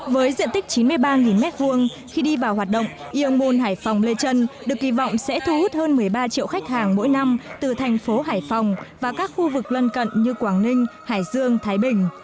với diện tích chín mươi ba m hai khi đi vào hoạt động yomon hải phòng lê trân được kỳ vọng sẽ thu hút hơn một mươi ba triệu khách hàng mỗi năm từ thành phố hải phòng và các khu vực lân cận như quảng ninh hải dương thái bình